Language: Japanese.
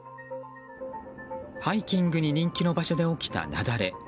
ハイキングに人気の場所で起きた雪崩。